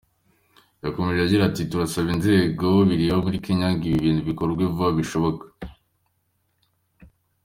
Yakomeje agira ati “Turasaba inzego bireba muri Kenya ngo ibi bintu bikorwe vuba bishoboka.